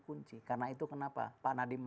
kunci karena itu kenapa panah di